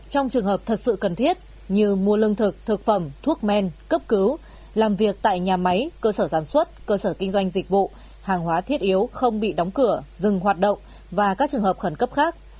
cơ sở giảm suất cơ sở kinh doanh dịch vụ hàng hóa thiết yếu không bị đóng cửa dừng hoạt động và các trường hợp khẩn cấp khác